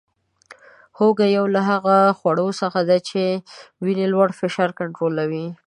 هوګه یو له هغو خوړو څخه دی چې د وینې لوړ فشار کنټرولوي